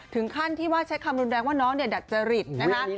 ถึงขั้นที่ว่าใช้คำรุนแรงว่าน้องเนี่ยดัดจริตนะคะ